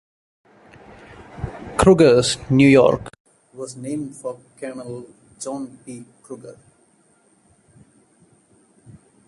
Crugers, New York, was named for Colonel John P. Cruger.